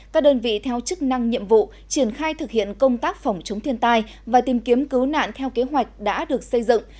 các đơn vị theo chức năng nhiệm vụ triển khai thực hiện công tác phòng chống thiên tai và tìm kiếm cứu nạn theo kế hoạch đã được xây dựng